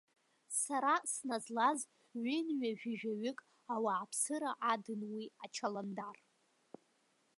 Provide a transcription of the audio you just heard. Сара сназлаз, ҩынҩажәижәаҩык ауааԥсыра адын уи ачаландар.